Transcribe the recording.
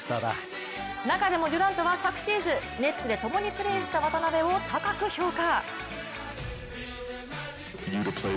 中でもデュラントは昨シーズンネッツでともにプレーした渡邊を高く評価。